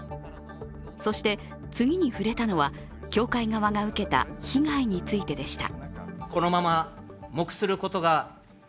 そして、次に触れたのは教会側が受けた被害についてでした。